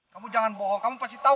kamu jangan bohong kamu pasti tahu